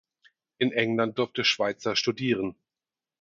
In England durfte Schweitzer studieren.